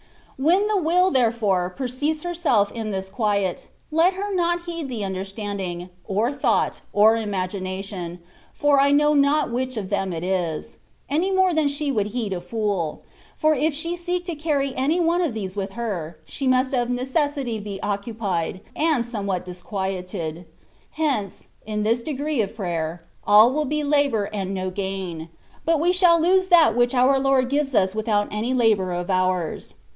When the will, therefore, perceives herself in this quiet, let her not heed the understanding, or thought, or imagination (for I know not which of them it is), any more than she would heed a fool ; for if she seek to carry any one of these with her, she must of necessity be occupied, and somewhat disquieted; hence, in this degree of prayer, all will be labour and no gain ; but we shall lose that which our Lord gives us without any labour of ours.